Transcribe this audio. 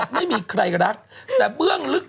ก็มีใครกระห็ก